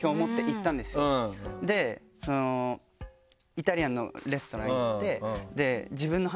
イタリアンのレストラン行って。